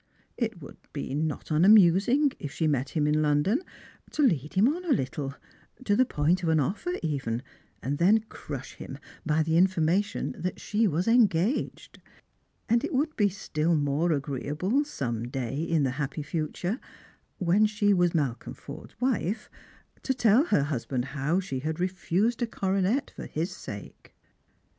It would be not unamusing, if she met him in London, to lead him on a little, to the point of an offer even, and then crush him by the information that she was 'engaged.' And it would be still more agreeable some day in the happy future, when she was Malcolm Forde's wife, to tell her husband how she had re fused a coronet for his sake.